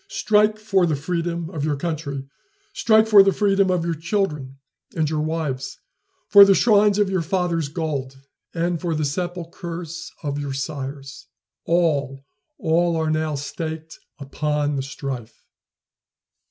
Strike for the freedom of your country! strike for the freedom of your children and of your wives for the shrines of your fathers' gods, and for the sepulchres of your sires. All all are now staked upon the strife."